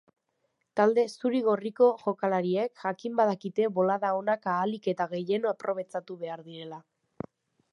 Talde zuri-gorriko jokalariek jakin badakite bolada onak ahalik eta gehien aprobetxatu behar direla.